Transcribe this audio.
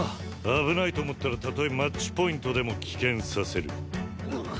危ないと思ったらたとえマッチポイントでも棄権させる。